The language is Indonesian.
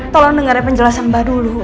tolong dengar penjelasan mbak dulu